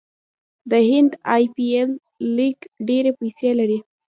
د هند ای پي ایل لیګ ډیرې پیسې لري.